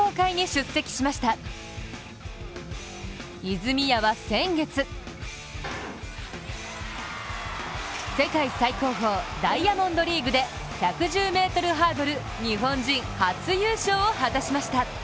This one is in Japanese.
泉谷は先月世界最高峰、ダイヤモンドリーグで１１０ｍハードル日本人初優勝を果たしました。